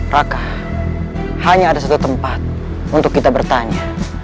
raka hanya ada satu tempat untuk kita bertanya